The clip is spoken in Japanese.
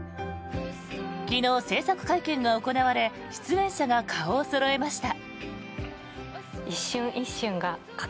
昨日、制作会見が行われ出演者が顔をそろえました。